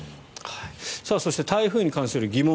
そして台風に関する疑問